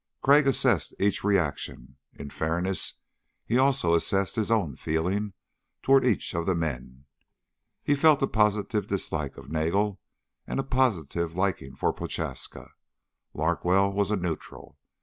Crag assessed each reaction. In fairness, he also assessed his own feeling toward each of the men. He felt a positive dislike of Nagel and a positive liking for Prochaska. Larkwell was a neutral.